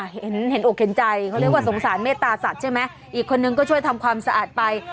เห็นเห็นอกเห็นใจเขาเรียกว่าสงสารเมตตาสัตว์ใช่ไหมอีกคนนึงก็ช่วยทำความสะอาดไป